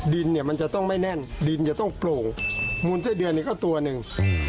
ดินจะต้องโปร่งมูลไส้เดือนนี่ก็ตัวหนึ่ง